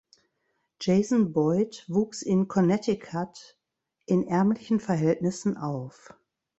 Jason Boyd wuchs in Connecticut in ärmlichen Verhältnissen auf.